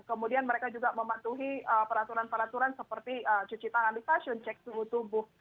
kemudian mereka juga mematuhi peraturan peraturan seperti cuci tangan di stasiun cek suhu tubuh